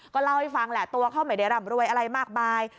ก็เล่าให้ฟังแหละตัวเขาไม่ได้ร่ำรวยอะไรมากมาย